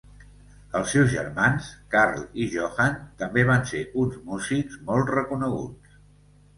Els seus germans Karl i Johann també van ser uns músics molt reconeguts.